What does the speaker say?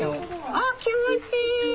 あっ気持ちいい。